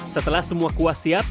setelah semua kuah siap